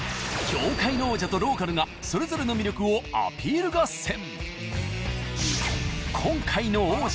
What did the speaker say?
業界の王者とローカルがそれぞれの魅力をアピール合戦！